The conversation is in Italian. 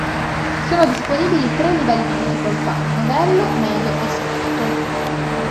Sono disponibili tre livelli di difficoltà: Novello, Medio, Esperto.